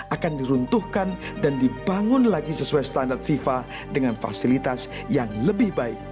akan diruntuhkan dan dibangun lagi sesuai standar fifa dengan fasilitas yang lebih baik